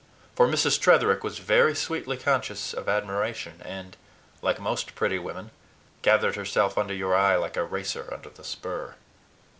For Mrs. Tretherick was very sweetly conscious of admiration and, like most pretty women, gathered herself under your eye like a racer under the spur.